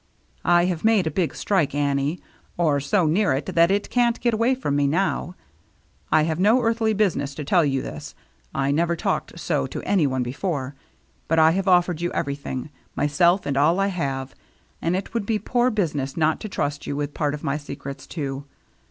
" I have made a big strike, Annie, or so near it that it can't get away from me now. I have no earthly business to tell you this, — I never talked so to any one before, — but I have offered you everything, myself and all I have, and it would be poor business not to trust you with part of my secrets, too.